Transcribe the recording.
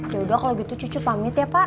ya udah kalau gitu cucu pamit ya pak